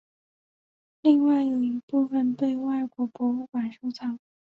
另外有一部份被外国博物馆收藏。